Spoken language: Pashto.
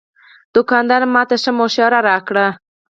دوکاندار ماته ښه مشوره راکړه.